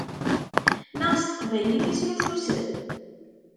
Neɣ s teqbaylit i snuffusen?